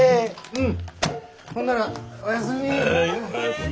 うん？